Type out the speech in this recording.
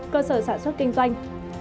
cơ sở sản xuất kinh doanh